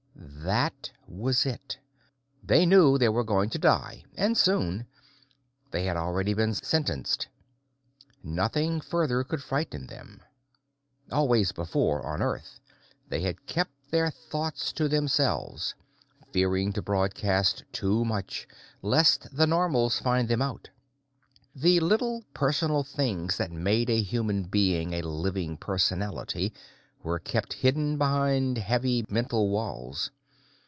That was it. They knew they were going to die, and soon. They had already been sentenced; nothing further could frighten them. Always before, on Earth, they had kept their thoughts to themselves, fearing to broadcast too much, lest the Normals find them out. The little, personal things that made a human being a living personality were kept hidden behind heavy mental walls.